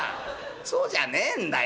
そうじゃねえんだよ。